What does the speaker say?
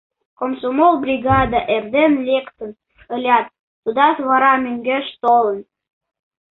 Комсомол бригада эрден лектын ылят, тудат вара мӧҥгеш толын...